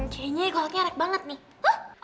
jengnya ekornya enak banget nih